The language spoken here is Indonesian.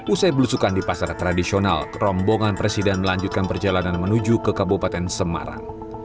usai belusukan di pasar tradisional rombongan presiden melanjutkan perjalanan menuju ke kabupaten semarang